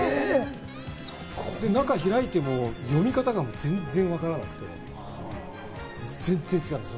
中を開いても読み方が全然わからなくて、全然違うんですよ！